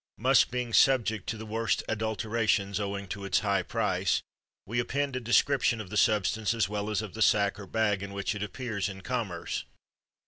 Musk being subject to the worst adulterations owing to its high price, we append a description of the substance as well as of the sac or bag in which it appears in commerce.